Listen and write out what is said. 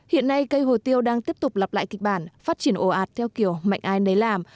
hiện nay cây hồ tiêu đang tiếp tục lặp lại kịch bản phát triển ồ ạt theo kiểu mạnh ai nấy làm